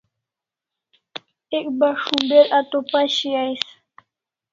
Ek bas shumber a to pashi ais